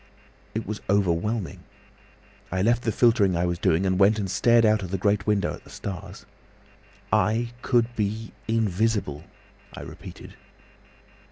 It was overwhelming. I left the filtering I was doing, and went and stared out of the great window at the stars. 'I could be invisible!' I repeated.